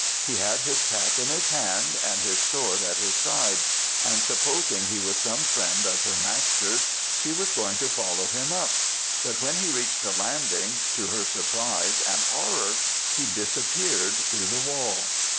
He had his cap in his hand, and his sword at his side; and supposing he was some friend of her master's, she was going to follow him up; but when he reached the landing, to her surprise and horror, he disappeared through the wall.